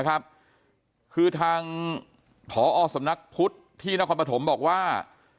คือทางผอสำนักพุทธที่นครปฐมบอกว่า